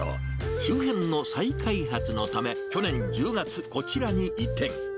周辺の再開発のため、去年１０月、こちらに移転。